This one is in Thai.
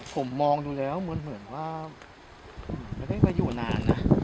ผมมองดูแล้วมันเหมือนไม่ได้ไปอยู่นาน